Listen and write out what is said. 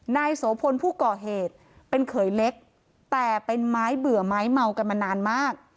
นายโสพลผู้ก่อเหตุเป็นเขยเล็กแต่เป็นไม้เบื่อไม้เมากันมานานมาก